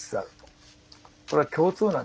これは共通なんですね。